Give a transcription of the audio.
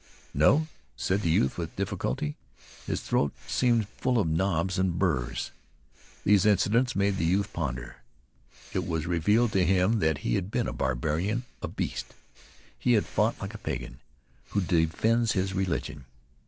"No," said the youth with difficulty. His throat seemed full of knobs and burs. These incidents made the youth ponder. It was revealed to him that he had been a barbarian, a beast. He had fought like a pagan who defends his religion.